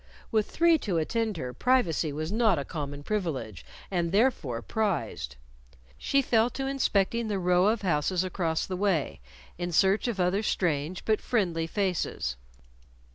With three to attend her, privacy was not a common privilege, and, therefore, prized. She fell to inspecting the row of houses across the way in search for other strange but friendly faces.